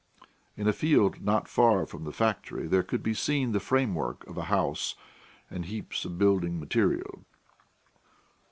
In a field not far from the factory there could be seen the framework of a house and heaps of building material.